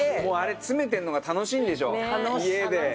もうあれ詰めてるのが楽しいんでしょう家で。